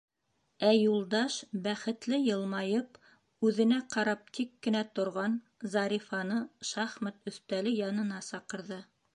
Ә Юлдаш, бәхетле йылмайып, үҙенә ҡарап тик кенә торған Зарифаны шахмат өҫтәле янына саҡырҙы: